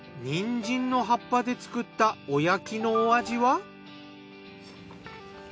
にんじんの葉っぱで作ったおやきのお味は？